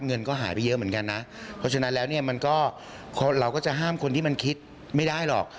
เงินก็หายไปเยอะเหมือนกันนะเพราะฉะนั้นแล้วเนี่ยมันก็เราก็จะห้ามคนที่มันคิดไม่ได้หรอก